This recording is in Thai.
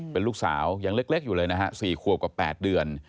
เป็นลูกสาวยังเล็กเล็กอยู่เลยนะฮะสี่ครับกว่าแปดเดือน